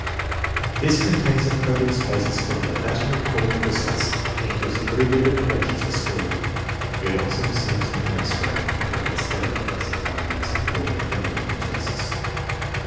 This contains appropriate spaces for 294 INTELLIGENCE OF SCHOOL CHILDREN the verbatim recording of results, and gives abbrevi ated directions for scoring. It also saves memory strain and prevents error by supplying the exact word ing for many of the tests.